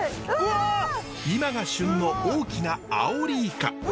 今が旬の大きなアオリイカ。